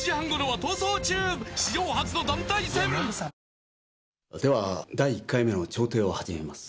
わかるぞでは第１回目の調停を始めます。